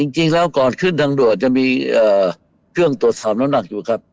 จริงแล้วก่อนขึ้นทางด่วนจะมีเครื่องตรวจสอบน้ำหนักอยู่ครับ